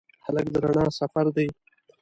هلک د رڼا سفر دی.